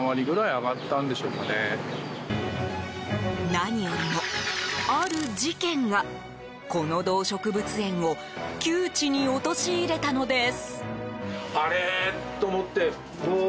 何よりも、ある事件がこの動植物園を窮地に陥れたのです。